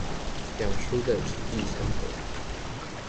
兩書的體例相同